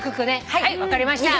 はい分かりました。